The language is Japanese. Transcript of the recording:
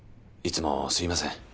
いつもすいません。